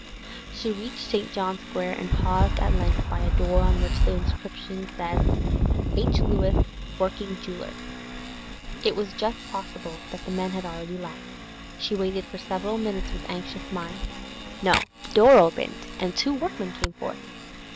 She reached St. John's Square, and paused at length by a door on which was the inscription: 'H. Lewis, Working Jeweller.' It was just possible that the men had already left; she waited for several minutes with anxious mind. No; the door opened, and two workmen came forth.